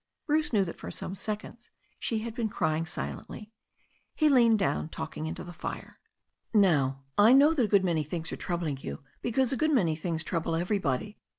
Bruce knew that for some seconds she had been crying silently. He leaned down again, talking into the fire. "Now I know that a good many things are troubling you, because a good many things trouble everybody.